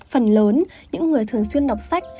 phần lớn những người thường xuyên đọc sách